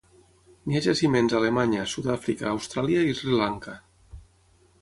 N'hi ha jaciments a Alemanya, Sud-àfrica, Austràlia i Sri Lanka.